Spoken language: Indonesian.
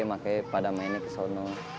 makanya pada mainnya ke sana